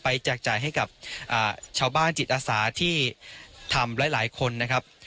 แจกจ่ายให้กับชาวบ้านจิตอาสาที่ทำหลายคนนะครับ